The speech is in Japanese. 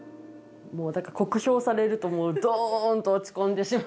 もうだから酷評されるともうどんと落ち込んでしまうんで。